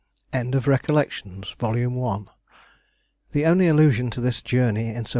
END OF RECOLLECTIONS, VOL. I. The only allusion to this journey in Sir W.